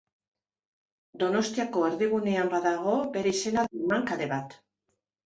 Donostiako erdigunean badago bere izena daraman kale bat.